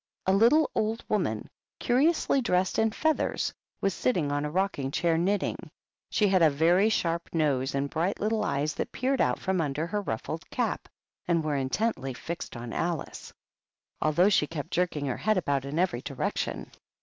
A little old woman, curiously dressed in feathers, was sitting on a rocking chair knitting. She had a very sharp nose and bright little eyes that peered out from under her ruffled cap and were intently fixed on Alice, although she kept jerking her head about in every direction.